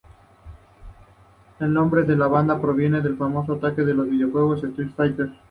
El nombre de la banda proviene de un famoso ataque del videojuego Street Fighter.